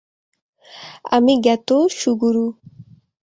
আমি গেতো সুগুরু।